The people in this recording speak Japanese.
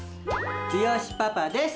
つよしパパです。